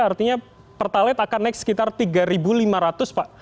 artinya pertalite akan naik sekitar rp tiga lima ratus pak